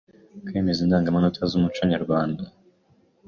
kwemeza indangamanota z’umuco nyarwanda